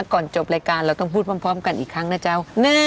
ก่อนจบรายการเราต้องพูดพร้อมกันอีกครั้งนะเจ้า